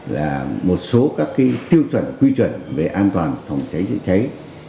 là một số các tiêu chuẩn quy chuẩn về an toàn phòng cháy chữa cháy